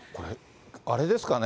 あれですかね？